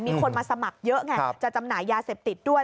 มีคนมาสมัครเยอะไงจะจำหน่ายยาเสพติดด้วย